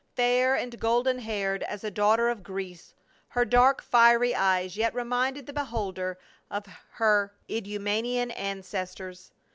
Fair and golden haired as a daughter of Greece, her dark fiery eyes yet reminded the beholder of her Idumaean ancestors.